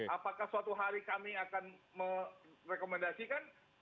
apakah suatu hari kami akan merekomendasikan